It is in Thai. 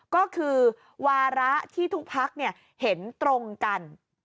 ก็คือวาระที่ทุกพักเห็นตรงกัน